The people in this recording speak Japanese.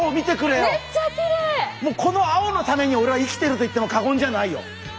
この青のためにオレは生きてると言っても過言じゃないよ。